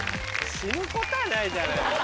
死ぬことはないじゃない。